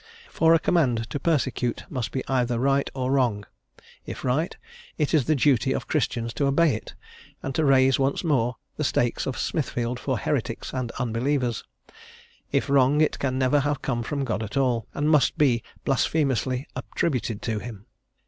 For a command to persecute must be either right or wrong: if right, it is the duty of Christians to obey it, and to raise once more the stakes of Smithfield for heretics and unbelievers; if wrong, it can never have come from God at all, and must be blasphemously attributed to him.